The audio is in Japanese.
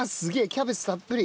キャベツたっぷり。